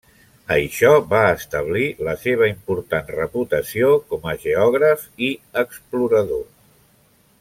Això va establir la seva important reputació com a geògraf i explorador.